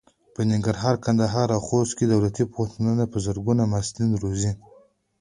په ننګرهار، کندهار او خوست کې دولتي پوهنتونونه په زرګونو محصلین روزي.